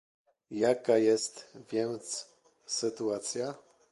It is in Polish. Jaka jest więc sytuacja?